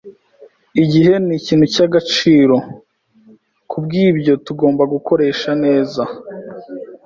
Igihe nikintu cyagaciro, kubwibyo tugomba gukoresha neza.